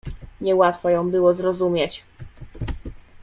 "Nie łatwo ją było zrozumieć."